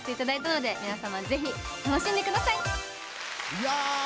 いや。